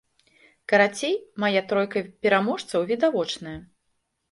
Карацей, мая тройка пераможцаў відавочная.